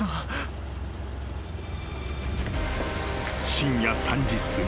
［深夜３時すぎ。